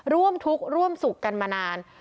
ร่วมทุกข์ร่วมสุขกันมานาน